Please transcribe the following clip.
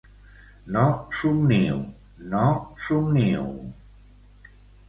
-No somnio, no somnio…